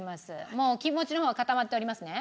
もうお気持ちの方は固まっておりますね？